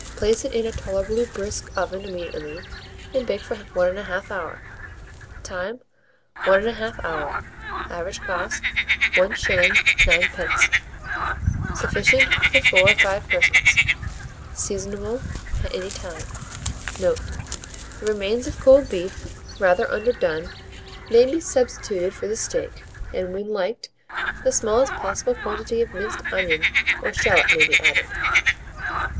Place it in a tolerably brisk oven immediately, and bake for 1 1/2 hour. Time. 1 1/2 hour. Average cost, 1s. 9d. Sufficient for 4 or 5 persons. Seasonable at any time. Note. The remains of cold beef, rather underdone, may be substituted for the steak, and, when liked, the smallest possible quantity of minced onion or shalot may be added.